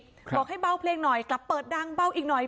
บอกให้เบาเพลงหน่อยกลับเปิดดังเบาอีกหน่อย